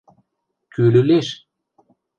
— Кӱ лӱлеш?